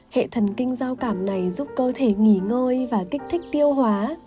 hệ thần kinh giao cảm này giúp cơ thể nghỉ ngơi và kích thích tiêu hóa